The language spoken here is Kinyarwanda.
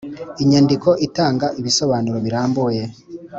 inyandiko itanga ibisobanuro birambuye.